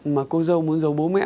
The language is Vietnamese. mà cô dâu muốn giấu bố mẹ